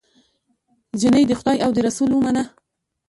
جینۍ د خدای او د رسول ومنه